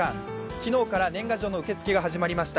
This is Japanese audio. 昨日から年賀状の受け付けが始まりました。